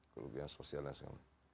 kerugian sosial dan sebagainya